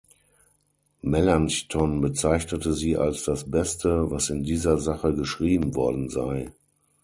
Melanchthon bezeichnete sie als das beste, was in dieser Sache geschrieben worden sei.